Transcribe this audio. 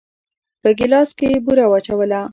په ګيلاس کې يې بوره واچوله.